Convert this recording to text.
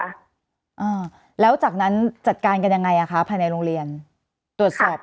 อ่าแล้วจากนั้นจัดการกันยังไงอ่ะคะภายในโรงเรียนตรวจสอบ